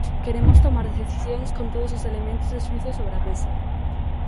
Queremos tomar decisións con todos os elementos de xuízo sobre a mesa.